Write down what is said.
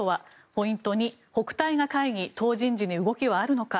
ポイント２北戴河会議、党人事に動きはあるのか？